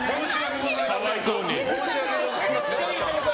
申し訳ございません。